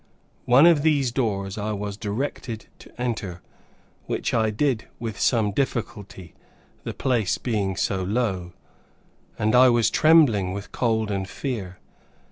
One of these doors I was directed to enter, which I did with some difficulty, the place being so low, and I was trembling with cold and fear.